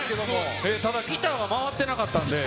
ただギターが回ってなかったんで。